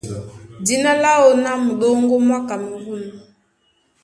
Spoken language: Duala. Dína láō ná Muɗóŋgó mwá Kamerûn.